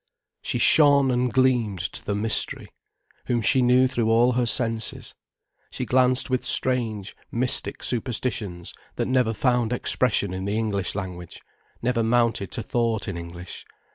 She shone and gleamed to the Mystery, Whom she knew through all her senses, she glanced with strange, mystic superstitions that never found expression in the English language, never mounted to thought in English.